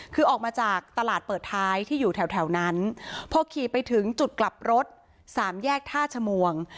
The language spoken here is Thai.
คือออกมาจากตลาดเปิดท้ายที่อยู่แถวแถวนั้นพอขี่ไปถึงจุดกลับรถสามแยกท่าชมวง